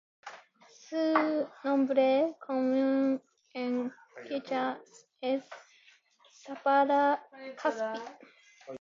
Su nombre común en quichua es "sapallu-kaspi".